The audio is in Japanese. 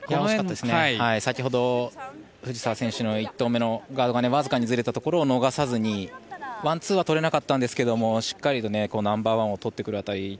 先ほど藤澤選手の１投がわずかにずれたところを逃さずにワン、ツーは取れなかったんですがしっかりとナンバーワンを取ってくる辺り